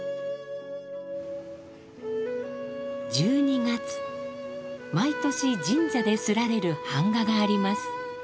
１２月毎年神社で刷られる版画があります。